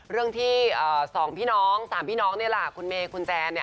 เรื่องที่สองพี่น้องสามพี่น้องนี่ล่ะคุณเมนียคุณแจ้นี่